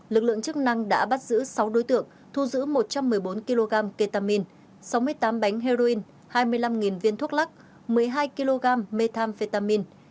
lực lượng chức năng đã bắt giữ sáu đối tượng thu giữ một trăm một mươi bốn kg ketamine sáu mươi tám bánh heroin hai mươi năm viên thuốc lắc một mươi hai kg methamphetamin